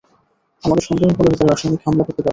আমাদের সন্দেহ হলো যে, তারা রাসায়নিক হামলা করতে পারে।